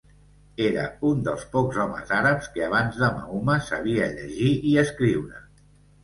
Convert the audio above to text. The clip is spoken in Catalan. Era un dels pocs homes àrabs que abans de Mahoma sabia llegir i escriure.